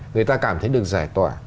người ta cảm thấy được giải tỏa